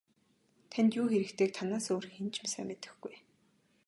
Танд юу хэрэгтэйг танаас өөр хэн ч сайн мэдэхгүй.